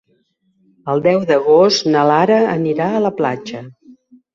El deu d'agost na Lara anirà a la platja.